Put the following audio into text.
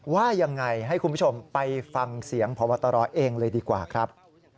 ว่ายังไงให้คุณผู้ชมไปฟังเสียงพบตรเองเลยดีกว่าครับ